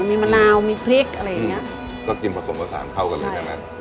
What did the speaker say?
มีมะนาวมีพริกอะไรอย่างเงี้ยก็กินผสมผสานเข้ากันเลยใช่ไหม